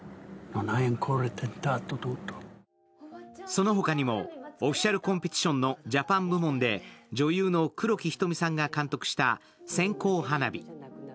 その他にも、オフィシャルコンペティションのジャパン部門で女優の黒木瞳さんが監督した「線香花火」。